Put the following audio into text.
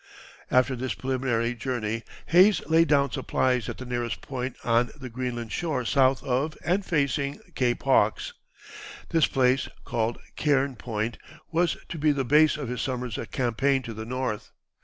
] After this preliminary journey Hayes laid down supplies at the nearest point on the Greenland shore south of, and facing, Cape Hawks. This place, called Cairn Point, was to be the base of his summer's campaign to the north.